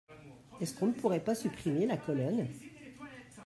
Est-ce qu’on ne pourrait pas supprimer la colonne ?